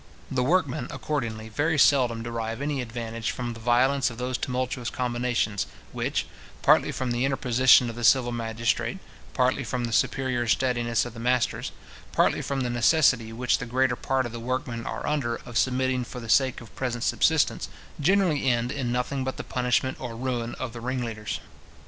The workmen, accordingly, very seldom derive any advantage from the violence of those tumultuous combinations, which, partly from the interposition of the civil magistrate, partly from the superior steadiness of the masters, partly from the necessity which the greater part of the workmen are under of submitting for the sake of present subsistence, generally end in nothing but the punishment or ruin of the ringleaders.